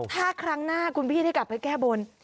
ถ้าครั้งหน้าคุณพี่ได้กลับไปแก้บน